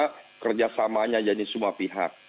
karena kerjasamanya jadi semua pihak